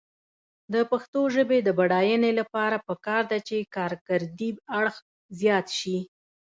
د پښتو ژبې د بډاینې لپاره پکار ده چې کارکردي اړخ زیات شي.